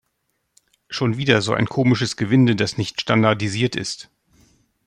Schon wieder so ein komisches Gewinde, das nicht standardisiert ist!